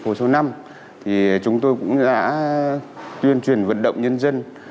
hồi số năm thì chúng tôi cũng đã tuyên truyền vận động nhân dân